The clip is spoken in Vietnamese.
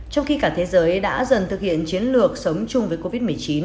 trong khi cả thế giới đã dần thực hiện chiến lược sống chung với covid một mươi chín